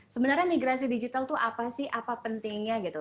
sebenarnya migrasi digital itu apa sih apa pentingnya gitu